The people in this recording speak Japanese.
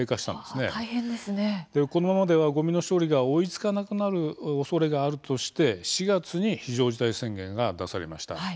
このままではごみの処理が追いつかなくなるおそれがあるとして、４月に非常事態宣言が出されました。